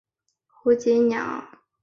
胡锦鸟。